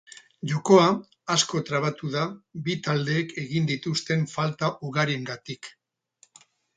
Jokoa asko trabatu da bi taldeek egin dituzten falta ugariengatik.